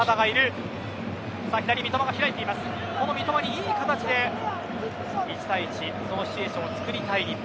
三笘にいい形で１対１そのシチュエーションを作りたい日本。